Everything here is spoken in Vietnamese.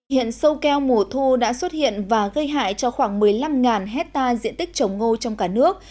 hiện sâu keo mùa thu đã xuất hiện và gây hại cho khoảng một mươi năm hectare diện tích trồng ngô trong cả nước